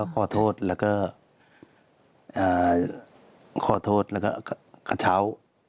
ก็ขอโทษแล้วก็กระเช้า